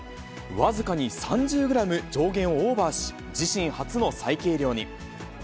僅かに３０グラム上限をオーバーし、自身初の再計量に。